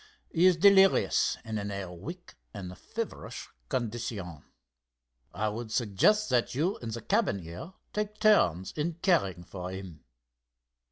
He is delirious and in a weak and feverish condition. I would suggest that you in the cabin here take turns in caring for him."